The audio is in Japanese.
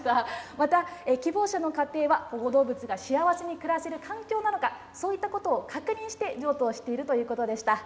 また希望者の家庭は保護動物が幸せに暮らせる環境なのか、そういったことを確認して譲渡をしているということでした。